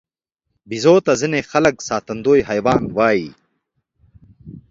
بیزو ته ځینې خلک ساتندوی حیوان وایي.